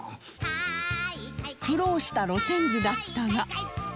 苦労した路線図だったが